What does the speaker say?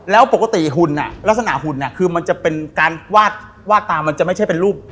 แล้วปกติหุ่นลักษณะหุ่นคือมันจะเป็นการวาดตามันจะไม่ใช่เป็นรูป